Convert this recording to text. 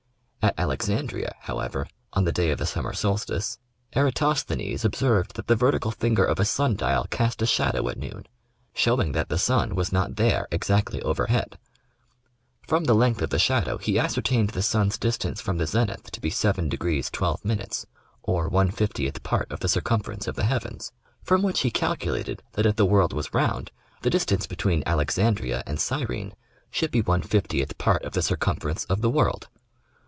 At Alexandria, however, on the day of the summer solstice, Eratosthenes observed that the vertical finger of a sun dial cast a shadow at noon, showing that the sun was not there exactly overhead. From the length of the shadow he ascertained the sun's distance from the zenith to be 7° 12', or one fiftieth part of the circumference of the heavens ; from which he calculated that if the world was round the distance between Alexandria and Gyrene should be one fiftieth part of the circum ference of the world.